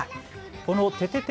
このててて！